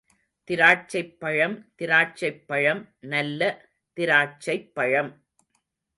திராட்சைப் பழம் திராட்சைப் பழம்—நல்ல திராட்சைப் பழம்.